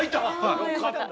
よかった！